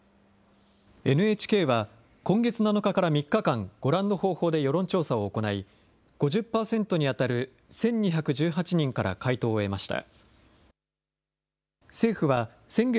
ＮＨＫは、今月７日から３日間、ご覧の方法で世論調査を行い、５０％に当たる１２１８人から回答を得ました。